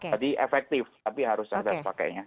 jadi efektif tapi harus cerdas pakainya